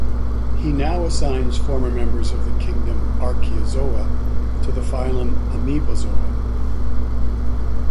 He now assigns former members of the kingdom Archezoa to the phylum Amoebozoa.